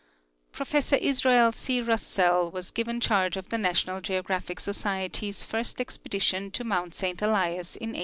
Professor Israel C. Russell was given charge of the National Geographic Society's first expedition to mount Saint Elias in 1890.